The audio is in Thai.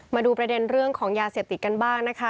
มาดูประเด็นเรื่องของยาเสพติดกันบ้างนะคะ